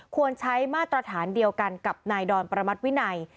ควรใช้มาตรฐานเดียวกันกับนายดอนประมัติวินัย